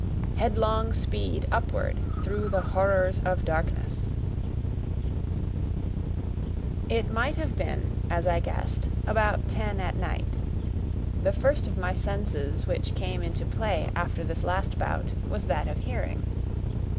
HEADLONG SPEED UPWARD THROUGH THE HORRORS OF DARKNESS It might have been, as I guessed, about ten at night. The first of my senses which came into play after this last bout was that of hearing.